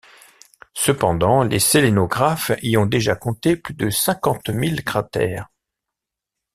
Cependant, les sélénographes y ont déjà compté plus de cinquante mille cratères.